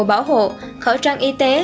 bảo hộ khẩu trang y tế